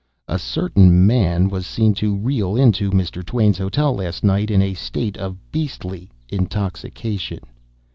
A certain man was seen to reel into Mr. Twain's hotel last night in a state of beastly intoxication.